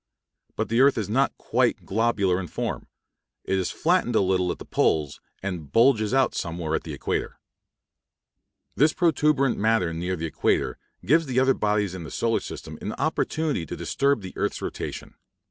But the earth is not quite globular in form; it is flattened a little at the poles and bulges out somewhat at the equator. (See p. 135.) This protuberant matter near the equator gives the other bodies in the solar system an opportunity to disturb the earth's rotation.